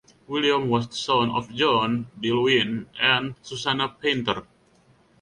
William was the son of John Dillwyn and Susanna Painter.